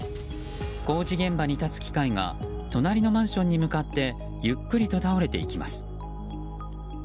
工事現場に立つ機械が隣のマンションに向かってゆっくりと倒れていきます。